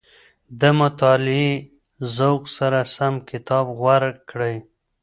د مطالعې ذوق سره سم کتاب غوره کړئ.